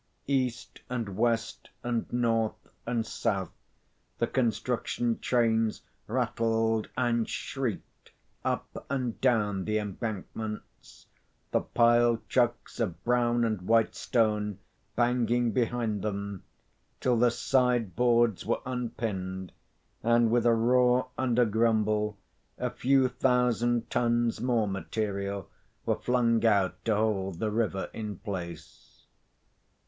East and west and north and south the construction trains rattled and shrieked up and down the embankments, the piled trucks of brown and white stone banging behind them till the side boards were unpinned, and with a roar and a grumble a few thousand tons' more material were flung out to hold the river in place.